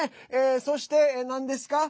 そして、なんですか？